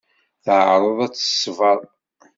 Teεreḍ ad t-tṣebber.